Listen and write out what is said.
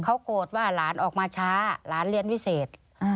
เขาโกรธว่าหลานออกมาช้าหลานเรียนวิเศษ